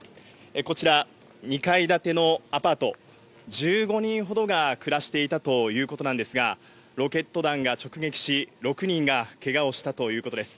こちら、２階建てのアパート、１５人ほどが暮らしていたということなんですが、ロケット弾が直撃し、６人がけがをしたということです。